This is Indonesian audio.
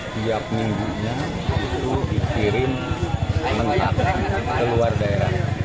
setiap minggunya itu dikirim mengetahui ke luar daerah